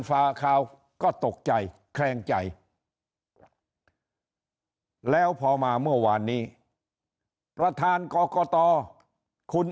ฟาข่าวก็ตกใจแคลงใจแล้วพอมาเมื่อวานนี้ประธานกรกตคุณ